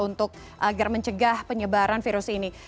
untuk agar mencegah penyebaran virus ini